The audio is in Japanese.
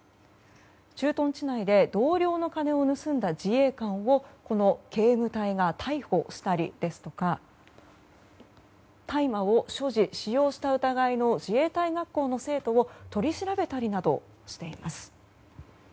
駐屯地内で同僚の金を盗んだ自衛官をこの警務隊が逮捕したりですとか大麻を所持・使用した疑いの自衛隊学校の生徒を取り調べたりなどしています。